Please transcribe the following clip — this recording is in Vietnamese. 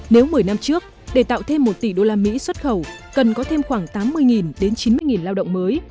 nếu một mươi năm trước để tạo thêm một tỷ đô la mỹ xuất khẩu cần có thêm khoảng tám mươi đến chín mươi lao động mới